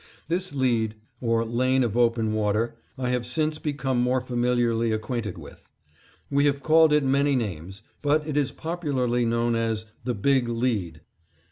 This lead or lane of open water I have since become more familiarly acquainted with. We have called it many names, but it is popularly known as the "Big Lead."